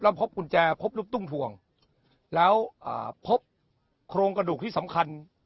แล้วพบกุญแจพบรูปตุ้งทวงแล้วพบโครงกระดูกที่สำคัญ